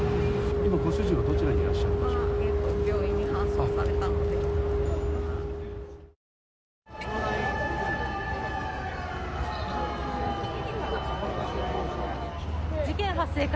今、ご主人はどちらにいらっしゃるんでしょうか。